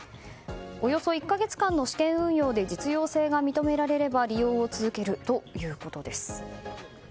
およそ１か月間の試験運用で実用性が認められれば利用を続けるということです。